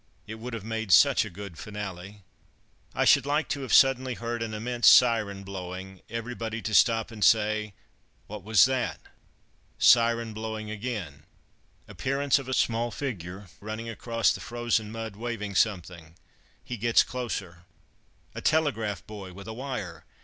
It would have made such a good finale. I should like to have suddenly heard an immense siren blowing. Everybody to stop and say, "What was that?" Siren blowing again: appearance of a small figure running across the frozen mud waving something. He gets closer a telegraph boy with a wire!